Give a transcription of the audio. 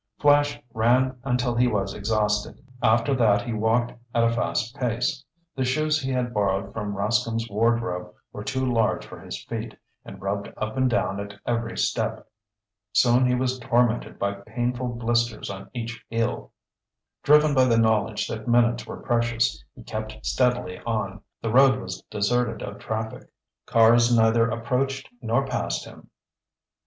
Flash ran until he was exhausted. After that he walked at a fast pace. The shoes he had borrowed from Rascomb's wardrobe were too large for his feet, and rubbed up and down at every step. Soon he was tormented by painful blisters on each heel. Driven by the knowledge that minutes were precious, he kept steadily on. The road was deserted of traffic. Cars neither approached nor passed him.